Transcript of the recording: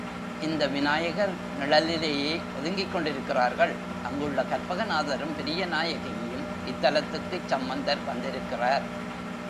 இந்த விநாயகர் நிழலிலேயே ஒதுங்கிக் கொண்டிருக்கிறார்கள் அங்குள்ள கற்பகநாதரும் பெரியநாயகியும், இத் தலத்துக்குச் சம்பந்தர் வந்திருக்கிறார்.